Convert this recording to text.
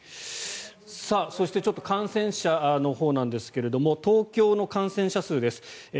そして、ちょっと感染者のほうなんですが東京の感染者数です。